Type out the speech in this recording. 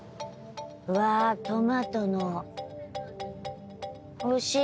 うわートマトのおいしい